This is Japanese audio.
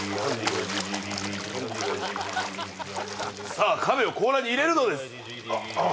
さあ亀を甲羅に入れるのですあ